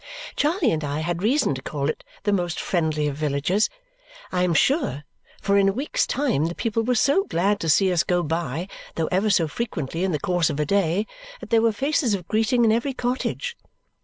Charley and I had reason to call it the most friendly of villages, I am sure, for in a week's time the people were so glad to see us go by, though ever so frequently in the course of a day, that there were faces of greeting in every cottage.